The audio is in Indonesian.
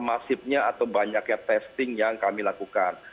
masifnya atau banyaknya testing yang kami lakukan